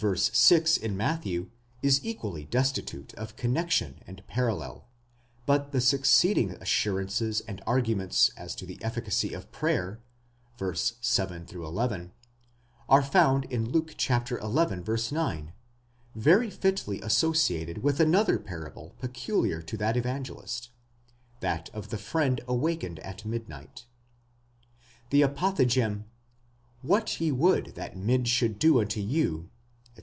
6, in Matthew, is equally destitute of connexion and parallel ; but the succeeding assurances and arguments as to the efficacy of prayer (v. 7 11), are found in Luke xi. 9, very fitly associated with another parable peculiar to that Evangelist: that of the friend awaked at midnight. The apothegm, What ye would that men should do unto you, etc.